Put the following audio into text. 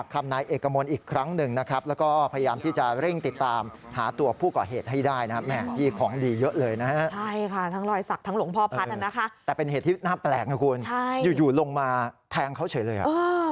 แต่เป็นเหตุที่น่าแปลกนะครับคุณอยู่ลงมาแทงเขาเฉยเลย